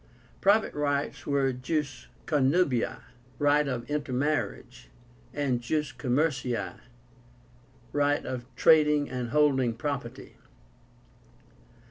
Private rights were jus connubii (right of intermarriage); and jus commercii (right of trading and holding property).